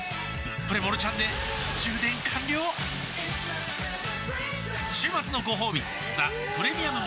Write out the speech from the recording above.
プレモルちゃんで充電完了週末のごほうび「ザ・プレミアム・モルツ」